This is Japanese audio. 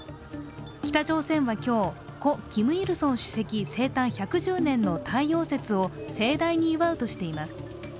北朝鮮は今日、故キム・イルソン主席生誕１１０年の太陽節を盛大に祝うとしています。